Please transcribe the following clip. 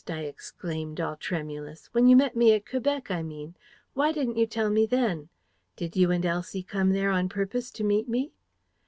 I exclaimed, all tremulous. "When you met me at Quebec, I mean why didn't you tell me then? Did you and Elsie come there on purpose to meet me?"